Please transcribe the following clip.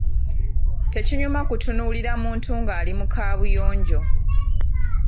Tekinyuma kutunuulira muntu ng’ali mu Kaabuyonjo.